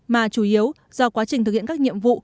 mà chủ yếu do quá trình thực hiện các nhiệm vụ